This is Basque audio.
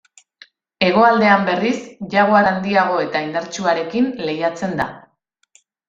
Hegoaldean, berriz, jaguar handiago eta indartsuarekin lehiatzen da.